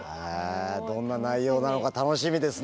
どんな内容なのか楽しみですね。